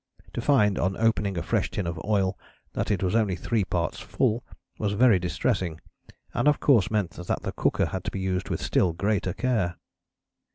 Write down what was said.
To find on opening a fresh tin of oil that it was only three parts full was very distressing, and of course meant that the cooker had to be used with still greater care."